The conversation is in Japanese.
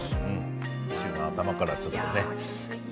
週の頭からちょっとね。